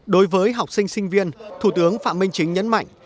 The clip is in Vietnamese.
đối với học sinh sinh viên thủ tướng phạm minh chính nhấn mạnh